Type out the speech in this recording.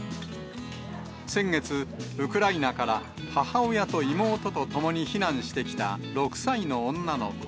先月、ウクライナから母親と妹と共に避難してきた、６歳の女の子。